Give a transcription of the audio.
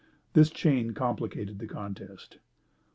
This chain complicated the contest.